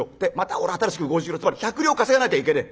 俺新しく５０両つまり１００両稼がなきゃいけねえ。